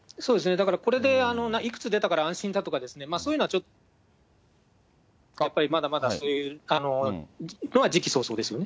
だからこれでいくつ出たから安心だとか、そういうのはちょっとやっぱりまだまだ、言うのは時期尚早ですよね。